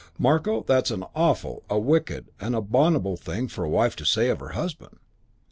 Marko, that's an awful, a wicked, an abominable thing for a wife to say of her husband.